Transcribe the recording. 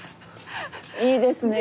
いいですねえ